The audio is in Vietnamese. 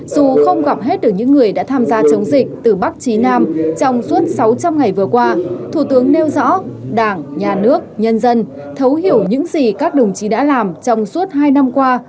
dù không gặp hết được những người đã tham gia chống dịch từ bắc chí nam trong suốt sáu trăm linh ngày vừa qua thủ tướng nêu rõ đảng nhà nước nhân dân thấu hiểu những gì các đồng chí đã làm trong suốt hai năm qua